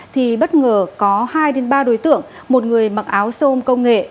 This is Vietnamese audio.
thì bất ngờ có hai ba đối tượng một người mặc áo xôm công nghệ